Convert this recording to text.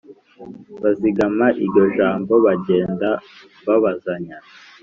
bazigama iryo jambo bagenda babazanya